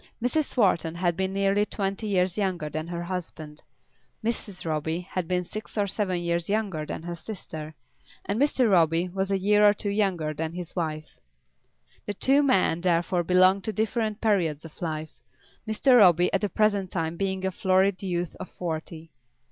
Mrs. Wharton had been nearly twenty years younger than her husband; Mrs. Roby had been six or seven years younger than her sister; and Mr. Roby was a year or two younger than his wife. The two men therefore belonged to different periods of life, Mr. Roby at the present time being a florid youth of forty.